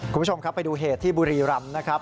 คุณผู้ชมครับไปดูเหตุที่บุรีรำนะครับ